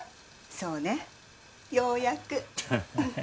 そうねようやく